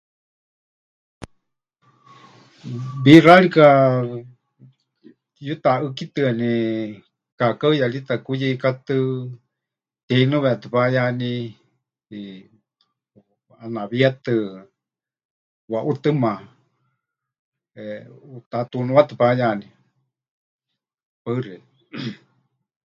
Wixárika pɨyutaʼɨ́kitɨani kaakaɨyarita kuyeikátɨ, tiheinɨwetɨ payaní, ʼanawietɨ waʼutɨma, eh, ʼutatuunuwatɨ payaní. Paɨ xeikɨ́a.